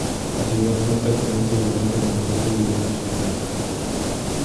La ciudad cuenta con un tribunal permanente y de un hospital.